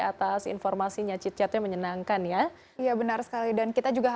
atas informasinya cicatnya menyenangkan ya iya benar sekali dan kita juga